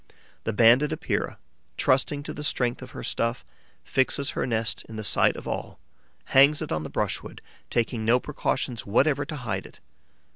The Banded Epeira, trusting to the strength of her stuff, fixes her nest in the sight of all, hangs it on the brushwood, taking no precautions whatever to hide it.